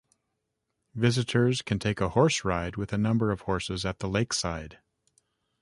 Visitors can take a horse ride with a number of horses at the lakeside.